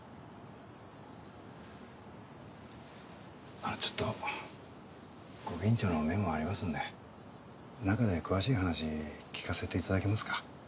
あっちょっとご近所の目もありますんで中で詳しい話聞かせていただけますか？